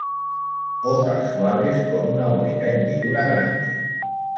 Hojas suaves con una única hendidura grande.